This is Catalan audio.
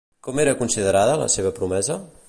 Com era considerada la seva promesa?